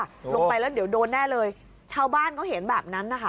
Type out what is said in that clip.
ลงไปแล้วเดี๋ยวโดนแน่เลยชาวบ้านเขาเห็นแบบนั้นนะคะ